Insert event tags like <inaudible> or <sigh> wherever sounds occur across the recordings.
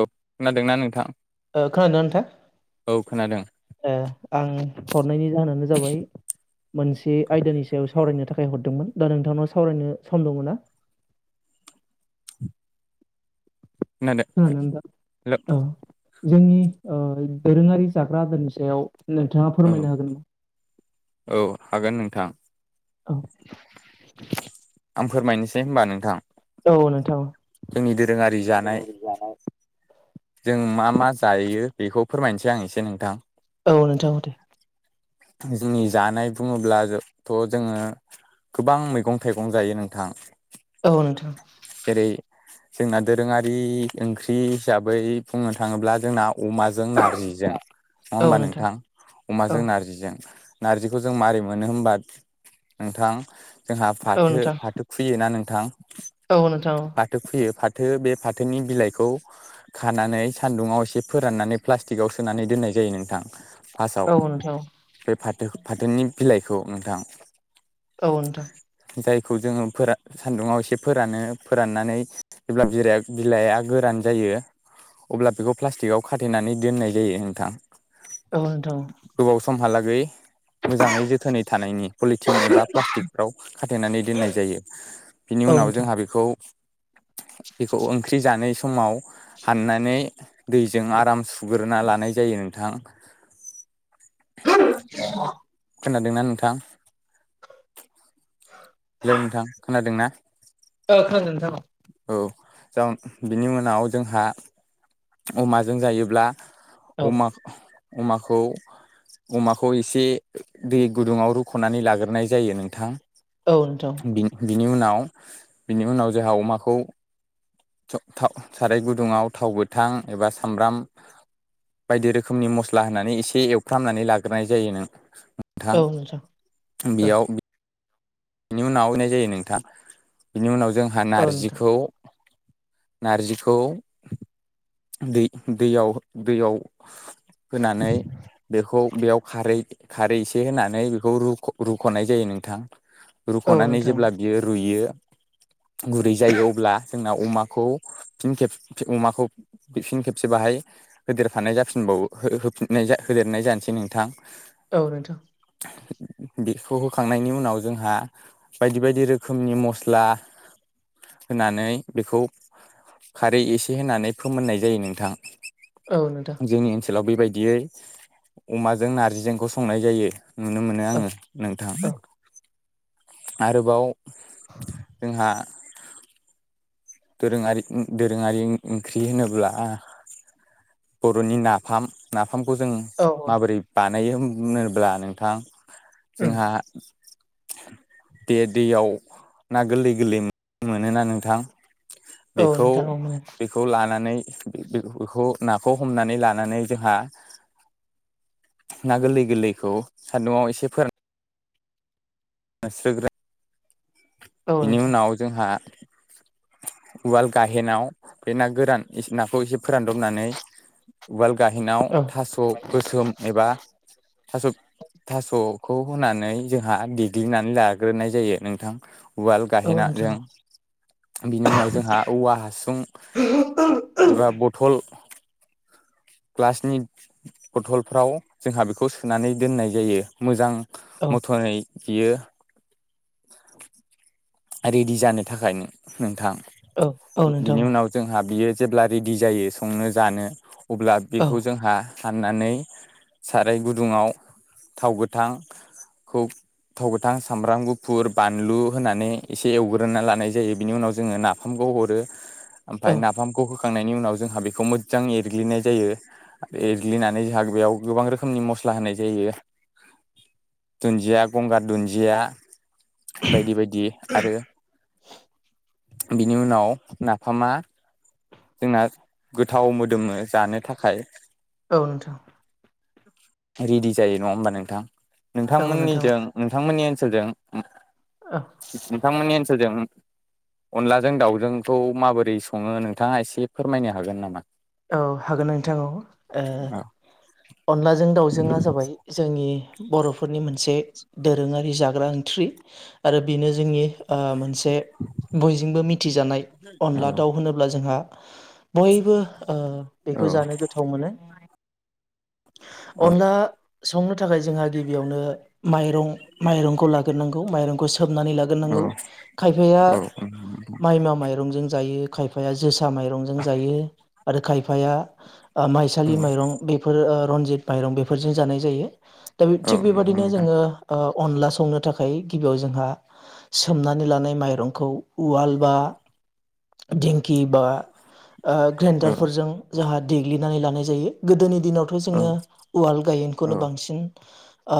औ खोनादोंना नोंथां? खोनादों ना औ खोनादों नोंथाङा ओ आं हरनायनि जाहोनानो जाबाय मोनसे आयदानि सायाव सावरायनो थाखाय हरदोंमोन दा नोंथांनाव सावरायनो सम दङ ना? खोनादों खोनादोंना नोंथां? हेलौ औ जोंनि ओ दोरोङारि जाग्रा आदारनि सायाव नोंथाङा औ फोरमायनो हागोन नामा? औ हागोन नोंथां । औ आं फोरमायनोसै होनबा नोंथां। । औ नोंथां । जोंनि दोरोङारि जानाय जों मा मा जायो बेखौ फोरमाय नोसै आं एसे नोंथां । औ नोंथां दे । जोंनि जानाय बुङोब्लाजोथ' जोङो गोबां मैगं थाइगं जायो नोंथां औ नोंथां। जेरै जोंना दोरोङारि ओंख्रि हिसाबै बुंनो थाङोब्ला जोंना अमाजों नारजिजों नङा होमबा नोंथां? औ अमाजों नारजि नारजिखौ जों मारै मोनो होमबाद नोंथां जोंहा औ फाथो नोंथां फाथो खुयोना नोंथां औ नोंथां औ नोंथां फाथो खुयो फाथो बे फाथोनि बिलाइखौ खानानै सान्दुङाव एसे फोराननानै प्लास्टिकआव सोनानै दोननाय जायो नोंथां। फार्स्टआव औ नोंथां औ । बे फाथो फाथोनि बिलाइखौ नोंथां औ नोथां । खौ जोङो फोरा सान्दुङाव एसे फोरानो फोराननानै जेब्ला बिराया बिलाइआ गोरान जायो यो अब्ला बेखौ प्लास्टिकआव खाथेनानै दोननाय जायो नोंथां । औ नोंथां । उनहालागै मोजाङै जोथोनै थानायनि पलिथिन एबा प्लास्टिकफोराव खाथेनानै दोननाय जायो बि नि औ उनाव नोंथां जोंहा बेखौ बेखौ ओंख्रि जाना समाव हाननानै दैजों आराम सुग्रोना लानाय जायो नोंथां। <inaudible> खोनादोंना नोंथां? हेलौ नोंथां खोनादों ना? ओ खोनादों नोंथां औ । औ जाउन बिनि उनाव जोंहा अमाजों जायोब्ला औ अमा अमाखौ अमाखौ एसे दै गुदुङाव रुख'नानै लाग्रोनाय जायो नोंथां। औ नोंथां। बिनि उनाव बिनि उनाव जोंहा अमाखौ स' था साराय गुदुङाव थाव गोथां एबा सामब्राम बायदि रोखोमनि मस्ला होननानै एसे एवफ्रामनानै लाग्रोनाय जायो नों औ नोंथां ओ बिनि उनाव होनाय जायो नोंथां बिनि उनाव जोंहा औ नोंथां नारजिखौ नारजिखौ दै दैयाव दैयाव होनानै बेखौ बेयाव खारै खारै एसे होनानै बेखौ रुख' रुख'नाय जायो नोंथां । औ नोंथां औ रुख'नानै नोंथां जेब्ला बियो रुयो गुरै जायो अब्ला जोंना अमाखौ फिन खेब फि अमाखौ बिफिन खेबसेबाहाय होदेरफानाय जाफिनबावो हो-होफिननाय जा होदेरनाय जानोसै नोंथां । औ नोंथां। बिखौ होखांनायनि उनाव जोंहा बायदि बायदि रोखोमनि मस्ला होनानै बेखौ खारै एसे होनानै फोमोननाय जायो नोंथां । औ नोंथा । लाव बेबायदियै अमाजों नार्जिजोंखौ संनाय जायो। नुनो मोनो औ आङो नोंथां । औ आरोबाव जोंहा दोरोङारि ओ दोरोङारि ओंख्रि होनोब्ला बर'नि नाफाम ना फामखौ जों औ माबोरै बानायो होनोब्ला नोंथां उम जोंहा दे दैयाव ना गोरलै गोरलै मोनोना नोंथां औ बेखौ नोंथां औ मोनो बेखौ लानानै बे-बेखौ नाखौ हमनानै लानानै जोंहा ना गोरलै गोरलैखौ सान्दुंआव एसे फोरान <unintelligible> औ बिनि नोंथां उनाव जोंहा उवाल गाहेनाव बे ना गोरान एसे नाखौ एसे फोरानदबनानै उवाल गाहेनाव औ थास' गोसोम एबा थास' थास'खौ खनानै जोंहा देग्लिनानै लाग्रोनाय जायो नोंथां। उवाल औ नोंथां औ गाहेनाजों। बिनि उनाव जोंहा औवा हासुं एबा बथल ग्लासनि बथलफ्राव जोंहा बेखौ सोनानै दोननाय जायो मोजां औ मथनै बेयो <inaudible> रेडि जानो थाखाय नोंथां औ औ नोंथां बिनि उनाव जोंहा बियो जेब्ला रेडि जायो संनो जानो अब्ला औ बेखौ जोंहा फाननानै साराय गुदुङाव थाव गोथांखौ थाव गोथां सामब्राम गुफुर बानलु होनानै एसे एवग्रोना लानाय जायो बिनि उनाव जोङो नाफामखौ हरो औ ओमफ्राय नाफामखौ खांनायनि उनाव जोंहा बेखौ मोजां एरग्लिनाय जायो एरग्लिनानै जों बेयाव गोबां रोखोमनि मस ला होनाय जायो। <inaudible> दुन्दिया गंगार दुन्दिया बायदि बायदि आरो बिनि उनाव नाफामा जोंना गोथाव मोदोम जानो थाखाय। औ नोंथां। रेडि जायो नङा होमबा नोंथां औ नोंथां नोंथांमोननिजों नोंथांमोननि <inaudible> <inaudible> बिथांमोननि ओनसोलजों अनलाजों दाउजोंखौ माबोरै संङो नों नोंथाङा एसे फोरमायनो हागोन नामा? औ हागोन नोंथां औ औ ओ अनलाजों दाउजोंआ जाबाय जोंनि बर'फोरनि मोनसे दोरोङारि जाग्रा ओंख्रि आरो बेनो जोंनि ओ मोनसे बयजोंबो मिथि जानाय औ अनला दाउ होनोब्ला जोंहा बयबो ओ औ बेखौ जानो गोथाव मोनो। औ अनला संनो थाखाय जोंहा गिबियावनो माइरं माइरंखौ लाग्रोनांगौ माइरं सोमनानै लागोरनांगौ खायफाया औ मायमा मायरंजों जायो खायफाया जोसा माइरंजों जायो आरो खायफाया ओ औ माइसालि माइरं बेफोर ओ रनजित माइरं बेफोरजों जानाय जायो। दा औ थिग नंगौ बेबादिनो नोंथां जोङो ओ अनला संनो थाखाय गिबियाव जोंहा सोमनानै लानाय माइरंखौ उवाल बा दिंकि बा औ ग्रेनदार जोंहा देग्लिनानै लानाय जायो गोदोनि दिनावथ' औ जोङो उवाल गायेनखौनो औ बांसिन ओ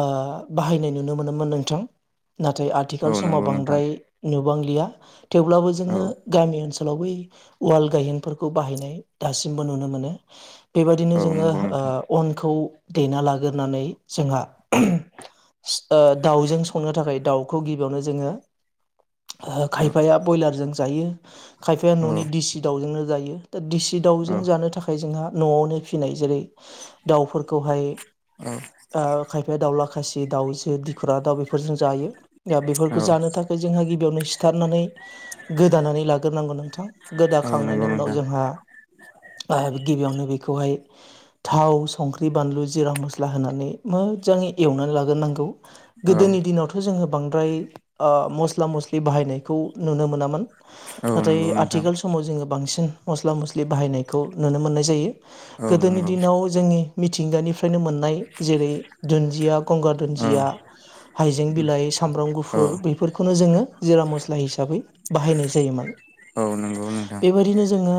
बाहायनाय नुनो मोनोमोन नोंथां नाथाय आथिखाल औ समाव नंगौ नोंथां बांद्राय नुबांलिया थेवब्लाबो औ जोङो गामि ओनसोलाव बै उवाल गायेनफोरखौ बाहायनाय दासिमबो नुनो मोनो बेबायदिनो औ जोङो नंगौ नोंथां अनखौ दैना लाग्रोनानै जोंहा ओ दाउजों संनो थाखाय दाउखौ गिबियावनो जोङो ओ औ खायफाया ब्यलारजों जायो खायफाया औ न'नि देसि दाउजोंनो जायो दा दिसि औ दाउजों जानो थाखाय जोंहा न'आवनो फिसिनाय जेरै दाउफोरखौहाय औ आ खायफाया दाउला जे दाउजो दिखरा दाउ बेफोरजों जायो दा बेफोरखौ औ जानो थाखाय जोंहा गिबियावनो सिथारनानै गोदानानै लाग्रोनांगौ नोंथां औ गोदाखांनायनि नंगौ उनाव नोंथां जोंहा गिबियावनो बेखौहाय थाव संख्रि बानलु जिरा मस्ला होनानै मोजां! एवनानै लाग्रोनांगौ औ गोदोनि दिनावथ' जोङो बांद्राय ओ मस्ला मस्लि बाहायनायखौ नुनो मोनामोन। औ नाथाय नंगौ नोंथां आथिखाल समाव जोङो बांसिन मस्ला मस्लि बाहायनायखौ नुनो मोननाय जायो। औ गोदोनि नंगौ दिनाव जोंनि मिथिंगानि फ्रायनो मोननाय जेरै दुन्दिया गंगार औ दुन्दिया हाइजें बिलाइ सामब्राम औ गुफुर। बेफोरखौनो जोङो जिरा मस्ला हिसाबै बाहायनाय जायोमोन। औ नंगौ नोंथां बेबायदिनो जोङो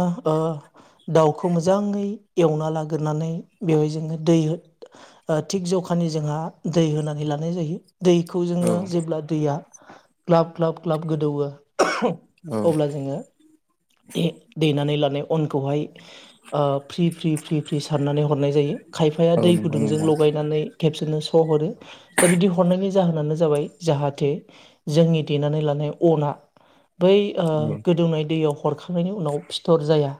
दाउखौ मोजाङै एवना लाग्रानै बेवहाय जोङो दै थिग जखा फानि जोंहा दै होनानै लानाय जायो। दैखौ औ जोङो जेब्ला दैया ग्लाब ग्लाब ग्लाब गोदौओ। औ अब्ला जोङो दे देनानै लानाय अनखौहाय ओ फ्रि फ्रि फ्रि फ्रि सारनानै हरनाय जायो खायफाया औ दै नंगौ गुदुंजों नोंथां लगायनानै खेबसेनो खौ हरो दा बिदि हरनायनि जाहोनानो जाबाय जाहाथे जोंनि देनानै लानाय अना बै औ गोदौनाय दैयाव हरखांनायनि उनाव फिथर जाया।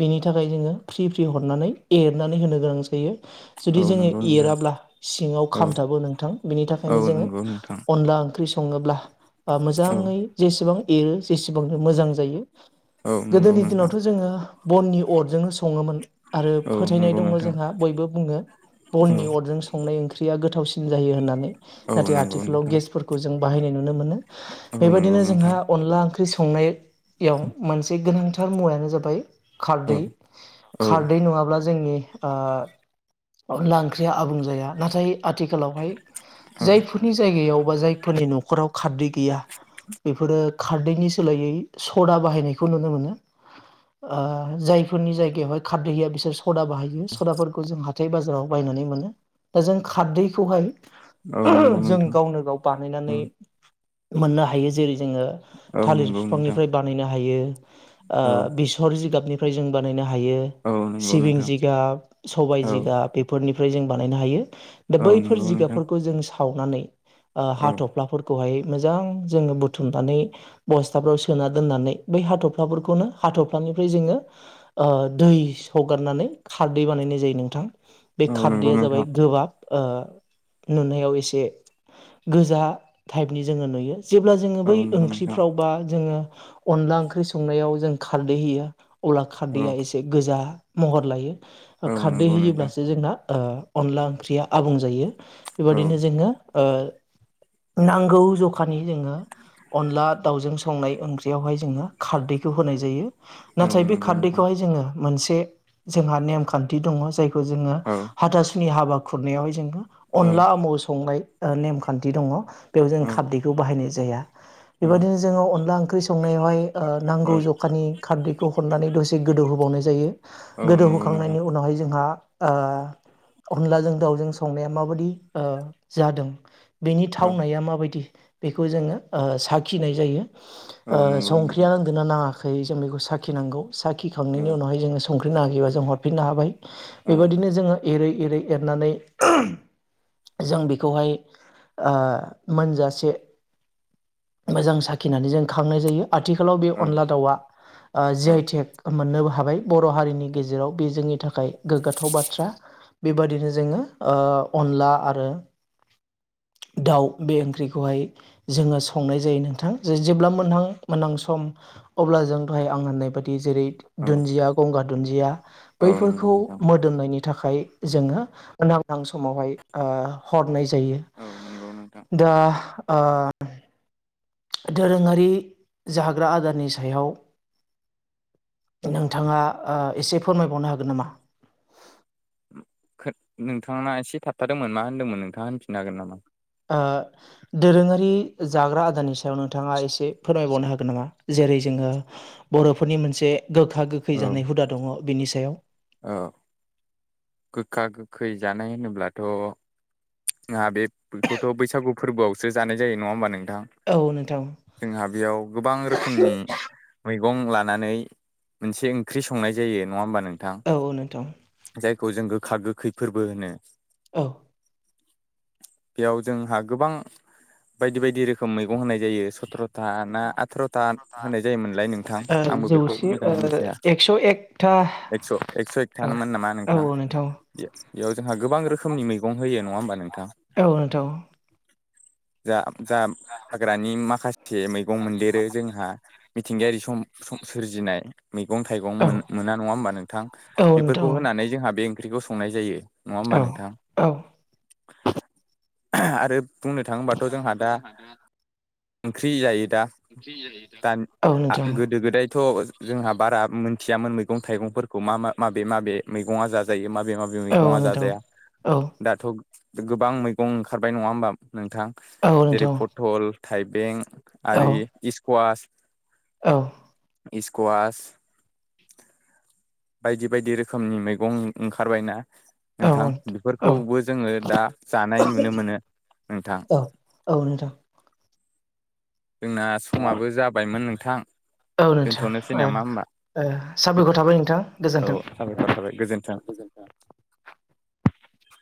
बिनि थाखाय जोङो फ्रि फ्रि हरनानै एरनानै होनो गोनां जायो। जुदि औ जोङो नंगौ नोंथां एराब्ला सिङाव औ खामथाबो नोंथां बिनि औ थाखायनो जोङो नंगौ नोंथां अनला ओंख्रि सङोब्ला औ मोजाङै जेसेबां एरो जेसेबांनो मोजां जायो औ नंगौ गोदोनि नोंथां दिनावथ' जोङो बननि अरजोंनो। सङोमोन आरो औ फोथायनाय नंगौ दङ नोंथां जोंहा बयबो बुङो बननि औ अरजों संनाय ओंख्रि। ओंख्रिया गोथावसिन जायो होननानै औ नाथाय नंगौ आथिखालाव नोंथां गेसफोरखौ जों। बाहायनाय नुनो मोनो औ नंगौ बेबायदिनो जोंहा नोंथां अनला ओंख्रि। ओंख्रि संनायाव मोनसे गोनांथार मुवानो जाबाय। औ खारदै औ खारदै नङाब्ला। जोंनि ओ अनला ओंख्रिया आबुं जाया नाथाय आथि खालावहाय औ जायफोरनि जायगायाव बा जायफोरनि न'खराव खारदै गैया बेफोरो खारदैनि सोलायै सदा बाहायनायखौ नुनो मोनो ओ जायफोरनि जायगायावहाय खारदैहया बिसोर सदा बाहायो सदाफोरखौ जों हाथाय बाजाराव बायनानै मोनो दा जों खारदैखौहाय औ नंगौ जों नोंथां गावनो गाव बानायनानै औ मोननो हायो जेरै जोङो औ थालिर नंगौ नोंथां बिफांनिफ्राय बानायनो हायो ओ औ बि जिगाबनिफ्राय जों बानायनो हायो औ नंगौ सिबिं नोंथां जिगाब सबाय औ जिगाब बेफोरनि फ्राय जों बानायनो हायो दा औ नंगौ नोंथां बैगाब जों सावनानै औ हफ्लाफोर खौआय मोजां जोङो बुथुमनानै बसथाफ्राव सोना दोननानै बै हाथ'फ्ला बिफांनिफ्राय जोङो दै सगारनानै खारदै बानायनाय जायो नोंथां बे औ नंगौ खारदैया जाबाय नोंथां गोबाब ओ नुनायाव एसे गोजा टाइपनि जोङो नुयो जेब्ला जोङो औ बै नंगौ नोंथां ओंख्रिफ्राव बा जोङो अनला ओंख्रि संनायाव जों खारदै होयो अब्ला औ खारदैया एसे गोजा महर लायो औ खारदै नंगौ नोंथां होयोब्लासो जोंना अनला ओंख्रिया आबुं जायो औ बेबदिनो जोङो ओ नांगौ जखानि जोङो अनला दाउजों संनाय ओंख्रियावहाय जोङो खारदैखौ होनाय जायो औ नाथाय बे नंगौ नोंथां खारदैखौहाय जोङो मोनसे जोंहा नेमखान्थि दङ। जायखौ जोङो औ हाथासुनि हाबा खुरनायावहाय जोङो औ औ अनला आमु संनाय नेमखान्थि दङ। बेयाव जों औ खारदैखौ बाहायनाय जाया। बेबायदिनो जोङो अनला ओंख्रि संनायावहाय ओ नांगौ औ ज खारदैखौ हरनानै द'से गोदौ होबावनाय जायो। औ गोदौ नंगौ नोंथां होखांनायनि उनावहाय ज जहा अनलाजों ओ दाउजों संनाया माबायदि ओ जादों? बेनि औ थावनाया माबायदि? बेखौ जोङो ओ साखिनाय जायो। औ ओ नंगौ नोंथां संख्रिया नांदोंना नाङाखै? जों बेखौ साखिनांगौ औ साखिखांनायनि उनावहाय जोङो। संख्रि नांआखौबा‌ जों हरफिननो हाबाय। औ बेबायदिनो जोङो एरै-एरै एरनानै जों बेखौहाय ओ मोनजासे मोजां साखिनानै जों खांनाय जायो। आथिखालाव बे औ अनला दाउआ जि आइथेक मोननोबो हाबाय। बर' हारिनि गेजेराव बे जोंनि थाखाय गोग्गाथाव बाथ्रा। बेबादिनो जोङो ओ अनला आरो दाउ बे ओंख्रिखौहाय जोङो संनाय जायो। नोंथां ज जेब्ला मोनहां-मोनहां सम अब्ला जों दहाय आं होननाय बादि जेरै औ दुन्दिया, गंगार दुन्दिया औ नंगौ बैफोरखौ नोंथां मोदोमनायनि थाखाय जोङो मोनहां-हां समावहाय ओ हरनाय जायो। यो औ नंगौ नोंथां दा ओ। दोरोङारि जाग्रा आदारनि सायाव नोंथाङा ओ एसे फोरमायबावनो हागोन नामा? नोंथाङा एसे थाबथादोंमोन, मा होनदोंमोन? नोंथाङा होनफिननो हागोन नामा? ओ दोरोङारि जाग्रा आदारनि सायाव नोंथाङा एसे फोरमायबावनो हागोन नामा? जेरै जोङो बर'फोरनि मोनसे गोखा-गोखै औ जानाय हुदा दङ। बिनि सायाव औ। गोखा-गोखै जानाय होनोब्लाथ' जोंहा बे बेखौथ' बैसागु फोरबोआवसो जानाय जायो। नङा ह होनोमबा? नों थां। औ नोंथां जोंहा बेयाव गोबां रोखोमनि मै गं लानानै मोनसे ओंख्रि संनाय जायो। नङा होमबा? नों औ नोंथां। खौ जों गोखा-गोखै फोरबो होनो। औ। बेयाव जोंहा गोबां बायदि-बायदि रोखोम मैगं होनाय जायो। सथ्र था ना आथ'र'था होनाय जायोमोनलाय नोंथां? ओ आंबो बेखौ जौसे ओ मोजाङै मिथिया। एक्स' एकथा एक्स' एक्स' औ एकथानोन नामा? नोंथां औ बेयाव जोंहा गोबां रोखोमनि मैगं होयो। नङा होमबा? नोंथां। औ नोंथां। जा-जा हाग्रानि माखासे मैगं मोनदेरो जोंहा मिथिंगायारि सम-सम सोरजिनाय। मैगं थाइगं औ मोन-मोना नङा होमबा? नोंथां। औ बेफोरखौ नोंथां होनानै जोंहा बे ओंख्रिखौ संनाय जायो। नङा होमबा? औ नोंथां। औ आरो बुंनो थाङोबाथ' जोंहा दा ओंख्रि जायो। दा औ नोंथां गोदो-गोदायथ' जोंहा बारा मोन मिथियामोन मैगं-थाइगंफोरखौ मा-मा माबे-माबे मैगंआ जायो। माब माबे-माबे औ मैगङा नोंथां जा-जाया। औ दाथ' गोबां मैगं ओंखारबाय नङा होमबा? नोंथां औ जेरै नोंथां पटल, थाइबें, औ आरि इस्कुवास। औ। इस्कुवास बायदि-बायदि रोखोमनि मैगं ओंखारबाय ना? औ नोंथां। औ बेफोरखौबो जोङो दा जानाय नुनो मोनो नोंथां। औ नोंथां। जोंना समाबो जाबायमोन नोंथां। औ नोंथां दोनथ'नोसै ओ। नामा होमबा ओ साबायखर थाबाय नोंथां औ गोजोन्थों। साबायखर थाबाय गोजोन्थों <unintelligible>